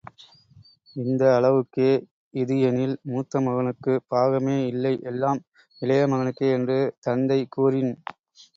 இந்த அளவுக்கே இது எனில், மூத்த மகனுக்குப் பாகமே இல்லை எல்லாம் இளைய மகனுக்கே என்று தந்தை கூறின்.